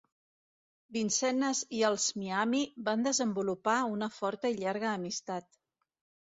Vincennes i els Miami van desenvolupar una forta i llarga amistat.